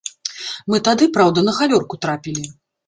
Мы тады, праўда, на галёрку трапілі.